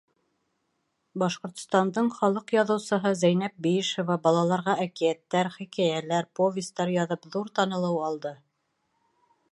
Башҡортостандың халыҡ яҙыусыһы Зәйнәб Биишева, балаларға әкиәттәр, хикәйәләр, повестар яҙып, ҙур танылыу алды.